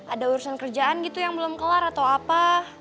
ada urusan kerjaan gitu yang belum kelar atau apa